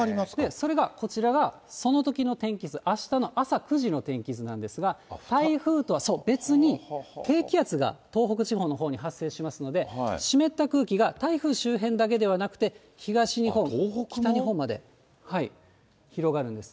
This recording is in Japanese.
それが、こちらがそのときの天気図、あしたの朝９時の天気図なんですが、台風とは別に、低気圧が東北地方のほうに発生しますので、湿った空気が台風周辺だけではなくて、東日本、北日本まで広がるんですね。